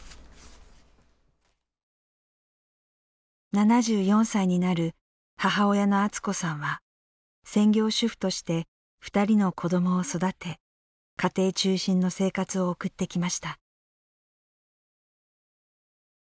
７４歳になる母親のアツ子さんは専業主婦として２人の子どもを育て家庭中心の生活を送ってきました。